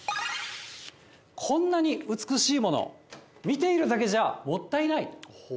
こんなに美しいもの、見ているだけじゃもったいない。